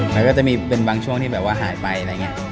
มันก็จะมีเป็นบางช่วงที่แบบว่าหายไปอะไรอย่างนี้